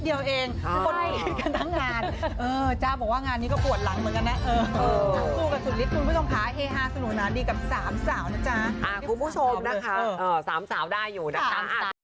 ดีกับสามสาวนะจ๊ะคุณผู้ชมนะฮะสามสาวได้อยู่ดีกับสามสาวนะจ๊ะ